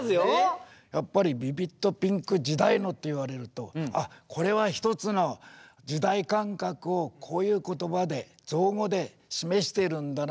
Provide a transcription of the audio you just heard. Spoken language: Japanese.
やっぱり「ビビッドピンク時代の」と言われるとあっこれは一つの時代感覚をこういう言葉で造語で示してるんだなというふうに思いました。